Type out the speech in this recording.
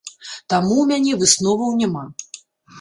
Таму ў мяне высноваў няма.